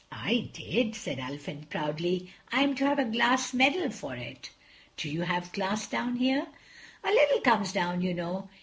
"I did," said Ulfin proudly, "I'm to have a glass medal for it." "Do you have glass down here?" "A little comes down, you know.